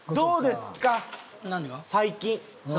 最近？